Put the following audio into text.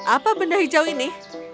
apa benda hijau ini